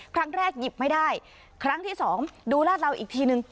ครั้งแรกหยิบไม่ได้ครั้งที่สองดูลาดเราอีกทีหนึ่ง